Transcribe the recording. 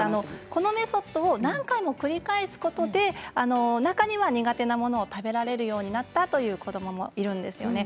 このメソッドを何回か繰り返すことで中には苦手なものを食べられるようになったという子どももいるんですよね。